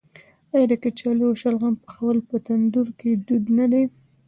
آیا د کچالو او شلغم پخول په تندور کې دود نه دی؟